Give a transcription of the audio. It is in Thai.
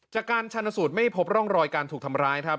จากการชันสูตรไม่พบร่องรอยการถูกทำร้ายครับ